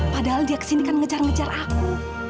padahal dia kesini kan ngejar ngejar aku